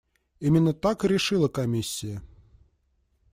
Именно так и решила комиссия.